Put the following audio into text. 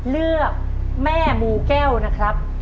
เลือกแม่มูแก้วนะครับ